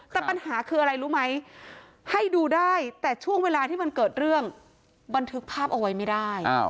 แต่ปัญหาคืออะไรรู้ไหมให้ดูได้แต่ช่วงเวลาที่มันเกิดเรื่องบันทึกภาพเอาไว้ไม่ได้